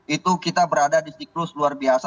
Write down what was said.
itu kita berada di siklus luar biasa